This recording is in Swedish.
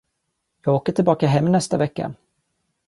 Jag åker tillbaka hem nästa vecka.